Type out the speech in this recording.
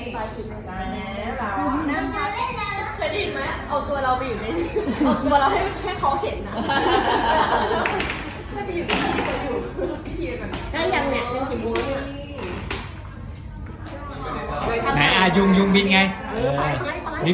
เคยที่นี่มั้ยเอาตัวเราไปอยู่ในนี่